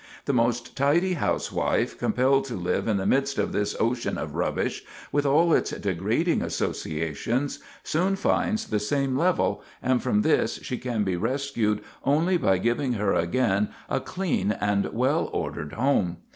The most tidy house wife, compelled to live in the midst of this ocean of rubbish, with all its degrading associations, soon finds the same level, and from this she can be rescued only by giving her again a clean and well ordered home.